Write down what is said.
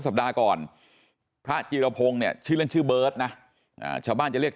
สัปดาห์ก่อนพระจีรพงศ์เนี่ยชื่อเล่นชื่อเบิร์ตนะชาวบ้านจะเรียก